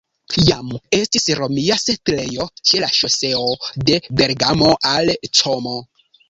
Jam estis romia setlejo ĉe la ŝoseo de Bergamo al Como.